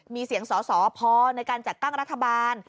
มีเสียงสอสอพอในการจัดตั้งรัฐบาล